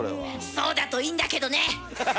そうだといいんだけどね！